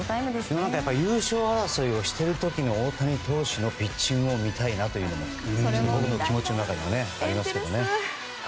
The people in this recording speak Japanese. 優勝争いをしている時の大谷投手のピッチングを見たいなというのが僕の気持ちの中でありますね。